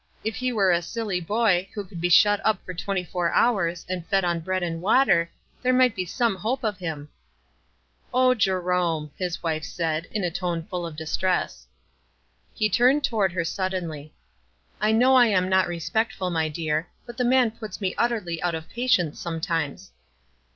"If he were a silly boy, who could be shut up for twenty four hours, and fed on bread and water, there might be some hope of him." " O Jerome !" his wife said, in a tone full of distress. He turned toward her suddenly. "I know I am not respectful, my dear; but the man puts me utterly out of patience some times."